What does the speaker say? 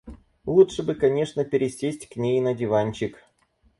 Лучше бы конечно пересесть к ней на диванчик.